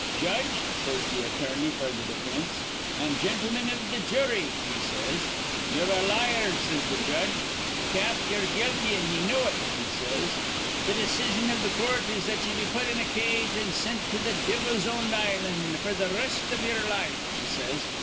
'Judge,' says th' attorney f'r th' difinse, 'an' gintlemen iv th' jury,' he says. 'Ye're a liar,' says th' judge. 'Cap, ye're guilty, an' ye know it,' he says. 'Th' decision iv th' coort is that ye be put in a cage, an' sint to th' Divvle's own island f'r th' r rest iv ye'er life,' he says.